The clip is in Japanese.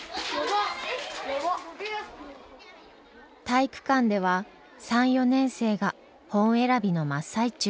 体育館では３４年生が本選びの真っ最中。